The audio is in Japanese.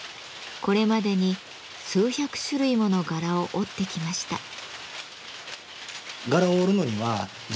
これまでに数百種類もの柄を織ってきました。